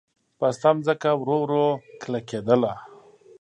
پسته ځمکه ورو ورو کلکېدله.